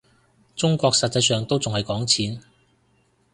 中國實際上都仲係講錢